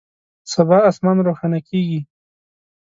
سبا اسمان روښانه کیږي